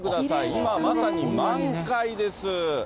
今、まさに満開です。